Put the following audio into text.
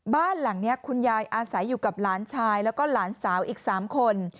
บ้านหลังนี้คุณยายอาศัยอยู่กับหลานชายแล้วก็หลานสาวอีก๓คน